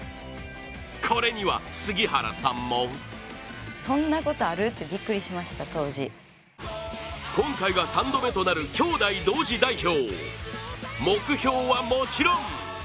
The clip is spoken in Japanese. これには、杉原さんも今回が３度目となる兄弟同時代表。